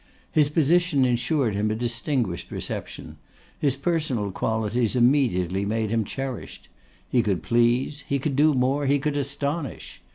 His position insured him a distinguished reception; his personal qualities immediately made him cherished. He could please; he could do more, he could astonish.